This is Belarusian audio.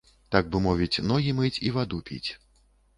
Так бы мовіць, ногі мыць і ваду піць.